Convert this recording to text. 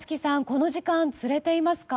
この時間連れていますか？